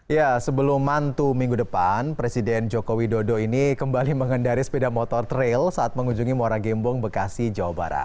ya sebelum mantu minggu depan presiden joko widodo ini kembali mengendari sepeda motor trail saat mengunjungi muara gembong bekasi jawa barat